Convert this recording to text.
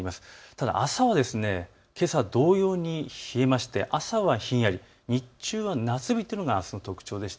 ただ朝はけさ同様に冷えまして朝はひんやり、日中は夏日というのがあすの特徴です。